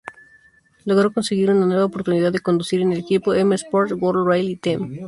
Logró conseguir una nueva oportunidad de conducir en el equipo M-Sport World Rally Team.